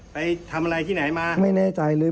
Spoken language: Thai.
ไปทำอะไรที่ไหนมาไม่แน่ใจเลย